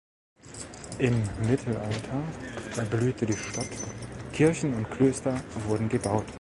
Im Mittelalter erblühte die Stadt, Kirchen und Klöster wurden gebaut.